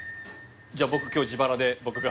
じゃあ僕今日自腹で僕が。